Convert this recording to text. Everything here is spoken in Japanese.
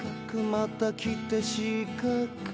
またきてしーかーく」